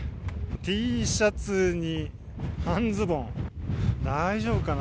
Ｔシャツに半ズボン、大丈夫かな？